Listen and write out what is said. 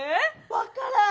わからん。